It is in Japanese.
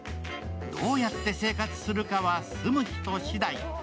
どうやって生活するかは住む人しだい。